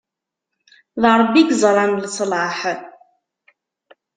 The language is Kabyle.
D Ṛebbi i yeẓran leṣlaḥ.